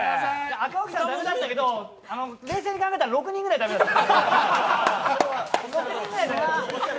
赤荻さん駄目だったけど、冷静に考えたら６人ぐらい駄目だった。